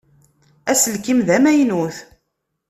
Aselkim d amaynut.